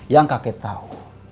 yang kakek tau